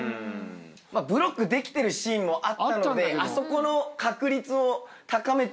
ブロックできてるシーンもあったのであそこの確率を高めてく作業に。